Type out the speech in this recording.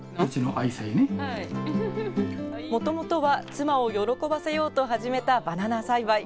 もともとは妻を喜ばせようと始めたバナナ栽培。